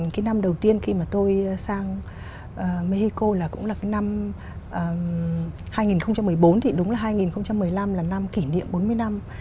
cái năm đầu tiên khi mà tôi sang mexico là cũng là cái năm hai nghìn một mươi bốn thì đúng là hai nghìn một mươi năm là năm kỷ niệm bốn mươi năm